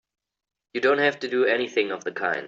You don't have to do anything of the kind!